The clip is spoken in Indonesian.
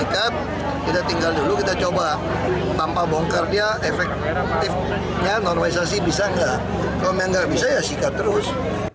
kita tinggal dulu kita coba tanpa bongkar dia efektifnya normalisasi bisa nggak kalau nggak bisa ya sikat terus